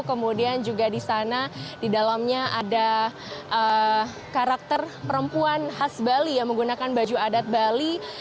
kemudian juga di sana di dalamnya ada karakter perempuan khas bali yang menggunakan baju adat bali